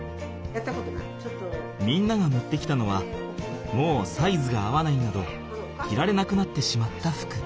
みんなが持ってきたのはもうサイズが合わないなど着られなくなってしまった服。